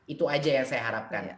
itu aja yang saya harapkan